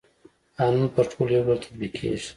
قانون پر ټولو يو ډول تطبيق کيږي.